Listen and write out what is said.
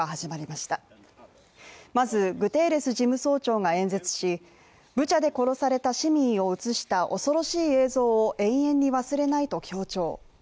まずグテーレス事務総長が演説しブチャで殺された市民を映した恐ろしい映像を永遠に忘れないと強調。